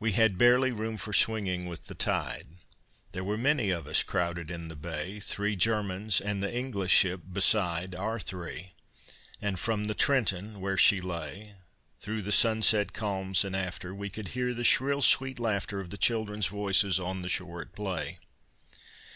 We had barely room for swinging with the tide There were many of us crowded in the bay: Three Germans, and the English ship, beside Our three and from the Trenton, where she lay, Through the sunset calms and after, We could hear the shrill, sweet laughter Of the children's voices on the shore at play.